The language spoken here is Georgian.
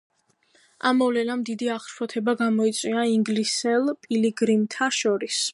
ამ მოვლენამ დიდი აღშფოთება გამოიწვია ინგლისელ პილიგრიმთა შორის.